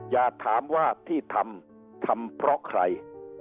อย่าถามว่าที่ทำทำเพราะใคร